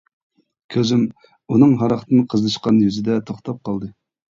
كۆزۈم ئۇنىڭ ھاراقتىن قىزىشقان يۈزىدە توختاپ قالدى.